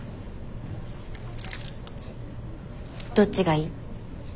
どっちがいい？